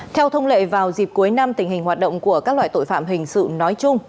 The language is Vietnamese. theo thông lệ vào dịp cuối năm tình hình hoạt động của các loại tội phạm hình sự nói chung